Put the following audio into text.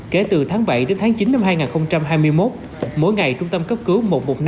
kể từ tháng bảy đến tháng chín năm hai nghìn hai mươi một mỗi ngày trung tâm cấp cứu một trăm một mươi năm